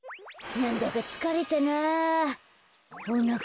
なんだかつかれたな。